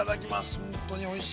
本当においしい。